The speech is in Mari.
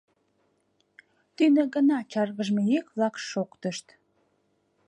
Тӱнӧ гына чаргыжме йӱк-влак шоктышт.